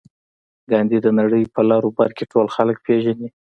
ګاندي د نړۍ په لر او بر کې ټول خلک پېژني